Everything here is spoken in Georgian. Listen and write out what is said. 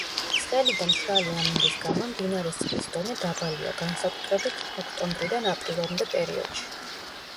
ცხელი და მშრალი ამინდის გამო მდინარის წყლის დონე დაბალია, განსაკუთრებით, ოქტომბრიდან აპრილამდე პერიოდში.